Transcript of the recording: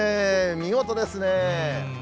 見事ですね。